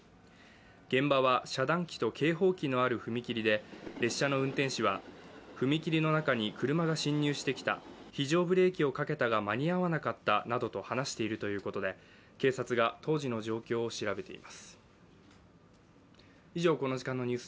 現場は遮断機と警報器のある踏切で列車の運転士踏切の中に車が進入してきた非常ブレーキをかけたが間に合わなかったなどと話しているということで警察が当時の状況を調べています。